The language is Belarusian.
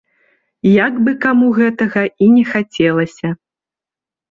Як бы каму гэтага і не хацелася.